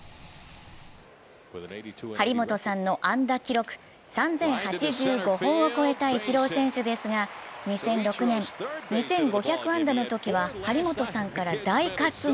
張本さんの安打記録３０８５本を超えたイチロー選手ですが、２００６年、２５００安打のときは張本さんから大喝が。